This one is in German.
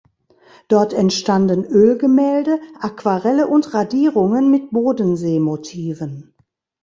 Dort entstanden Ölgemälde, Aquarelle und Radierungen mit Bodensee-Motiven.